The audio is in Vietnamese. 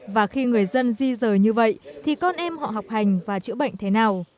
và khi người dân di rời như vậy thì con em họ học hành và chữa bệnh thế nào